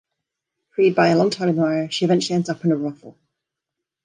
Freed by a long-time admirer, she eventually ends up in a brothel.